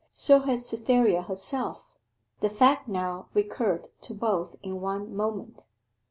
So had Cytherea herself. The fact now recurred to both in one moment.